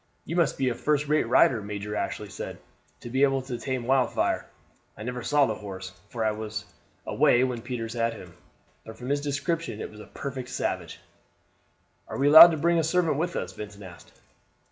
"You must be a first rate rider," Major Ashley said, "to be able to tame Wildfire. I never saw the horse, for I was away when Peters had him, but from his description it was a perfect savage." "Are we allowed to bring a servant with us?" Vincent asked.